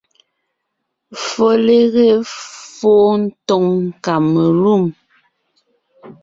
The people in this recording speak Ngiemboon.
Folere fô tòŋ kamelûm,